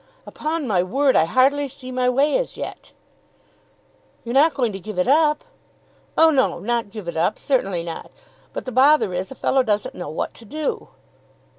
"Upon my word I hardly see my way as yet." "You're not going to give it up!" "Oh no; not give it up; certainly not. But the bother is a fellow doesn't know what to do."